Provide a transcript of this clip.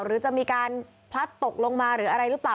หรือจะมีการพลัดตกลงมาหรืออะไรหรือเปล่า